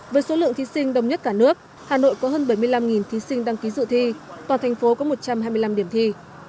với số lượng thí sinh đông nhất cả nước hà nội có hơn bảy mươi năm thí sinh đăng ký dự thi toàn thành phố có một trăm hai mươi năm điểm thi